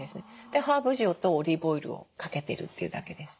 でハーブ塩とオリーブオイルをかけてるというだけです。